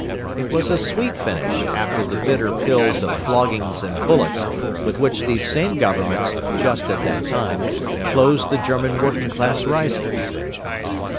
It was a sweet finish after the bitter pills of floggings and bullets with which these same governments, just at that time, dosed the German working class risings.